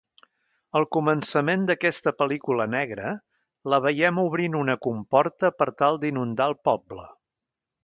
Al començament d'aquesta pel·lícula negra, la veiem obrint una comporta per tal d'inundar el poble.